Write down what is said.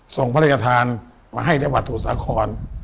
ส่งพระราชทานมาให้จังหวัดสมุทรสาคร